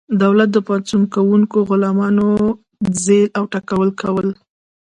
دولت د پاڅون کوونکو غلامانو ځپل او ټکول کول.